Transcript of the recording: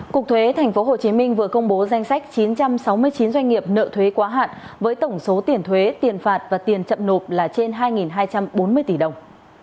cục thuế tp hcm vừa công bố danh sách chín trăm sáu mươi chín doanh nghiệp nợ thuế quá hạn với tổng số tiền thuế tiền phạt và tiền chậm nộp là trên hai hai trăm bốn mươi tỷ đồng